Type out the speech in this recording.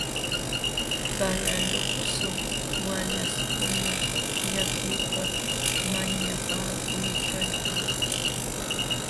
Qalaluksu walaśhkuna llakiypaq mañapakuykalkan.